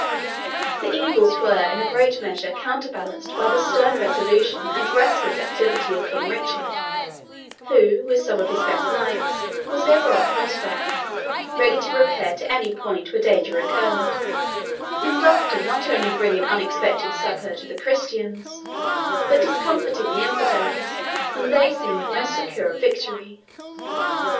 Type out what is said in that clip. These evils were in a great measure counterbalanced by the stern resolution and restless activity of King Richard, who, with some of his best knights, was ever on horseback, ready to repair to any point where danger occurred, and often not only bringing unexpected succour to the Christians, but discomfiting the infidels when they seemed most secure of victory.